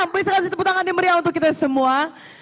beri sekejap di tepuk tangan dan beri yang untuk kita semua